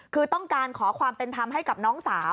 คือต้องการขอความเป็นธรรมให้กับน้องสาว